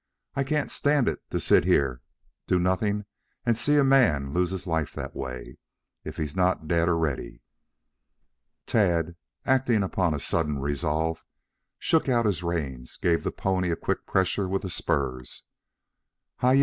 "I can't stand it to sit here doing nothing and see a man lose his life that way if he's not dead already." Tad, acting upon a sudden resolve, shook out his reins, gave the pony a quick pressure with the spurs. "Hi yi!"